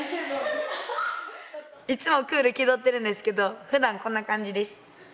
いつもクール気取ってるんですけどふだんこんな感じです。